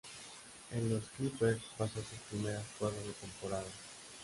En los Clippers pasó sus primeras cuatro temporadas.